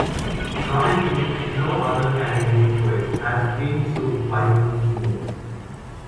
Probably no other Canadian poet has been so widely mourned.